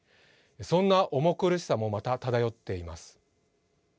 そんな重苦しさもまた漂っています。